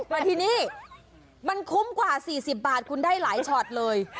แต่ทีนี้มันคุ้มกว่า๔๐บาทคุณได้หลายช็อตเลย